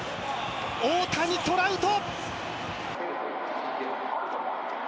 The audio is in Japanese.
大谷、トラウト！